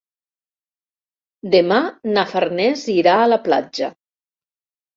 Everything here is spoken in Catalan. Demà na Farners irà a la platja.